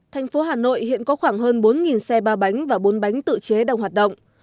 thành phố hà nội hiện có khoảng hơn bốn xe ba bánh và bốn bánh tự chế đang hoạt động